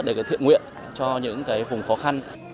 để thượng nguyện cho những vùng khó khăn